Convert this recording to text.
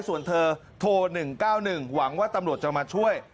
ส่วนเธอโทร๑๙๑หวังว่าตำรวจจะมาช่วย